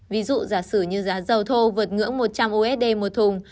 ví dụ giả sử như giá dầu thô vượt ngưỡng một trăm linh usd một thùng